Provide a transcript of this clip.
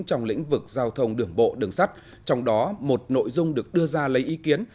trong lĩnh vực giao thông đường bộ đường sắt trong đó một nội dung được đưa ra lấy ý kiến